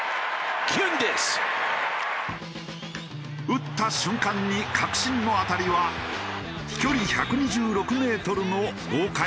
打った瞬間に確信の当たりは飛距離１２６メートルの豪快弾。